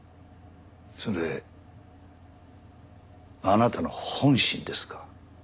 それあなたの本心ですか？